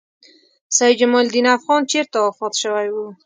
سیدجمال الدین افغان چېرته وفات شوی و؟